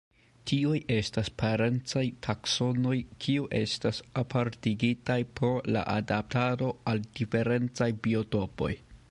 Tiuj estas parencaj taksonoj kiu estas apartigitaj pro la adaptado al diferencaj biotopoj.